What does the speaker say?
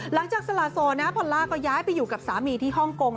หลังจากสลาโซนพอลลาก็ย้ายไปอยู่กับสามีที่ฮ่องกง